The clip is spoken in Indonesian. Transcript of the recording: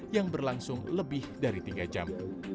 yang berlangsung lebih dari tiga jam